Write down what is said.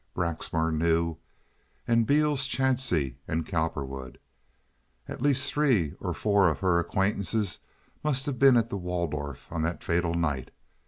Braxmar knew, and Beales Chadsey, and Cowperwood. At least three or four of her acquaintances must have been at the Waldorf on that fatal night.